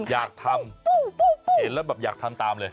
อยากทำเห็นแล้วแบบอยากทำตามเลย